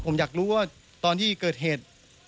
ผมอยากรู้ว่าตอนที่เกิดเหตุ